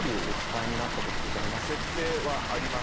「設定」はあります。